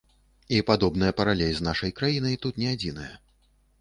І падобная паралель з нашай краінай тут не адзіная.